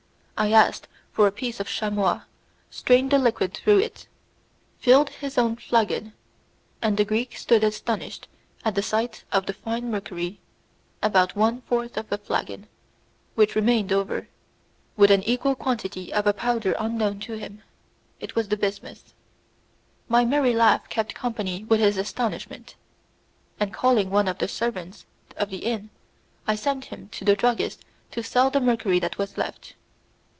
I asked for a piece of chamois, strained the liquid through it, filled his own flagon, and the Greek stood astonished at the sight of the fine mercury, about one fourth of a flagon, which remained over, with an equal quantity of a powder unknown to him; it was the bismuth. My merry laugh kept company with his astonishment, and calling one of the servants of the inn I sent him to the druggist to sell the mercury that was left.